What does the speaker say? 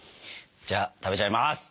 じゃあ食べちゃいます！